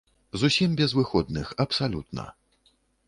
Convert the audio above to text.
Зусім без выходных, абсалютна.